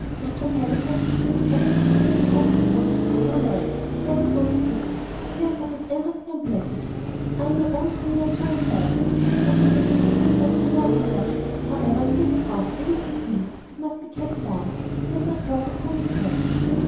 "As John Halifax, not as the tanner's 'prentice boy? Oh! lad there the goad sticks. Here I forget everything unpleasant; I am my own free natural self; but the minute I get back to Norton Bury however, it is a wrong, a wicked feeling, and must be kept down. Let us talk of something else."